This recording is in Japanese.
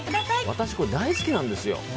私これ大好きなんですよ。